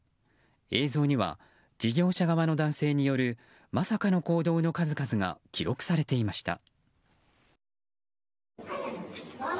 映像には、事業者側の男性によるまさかの行動の数々が記録されていました。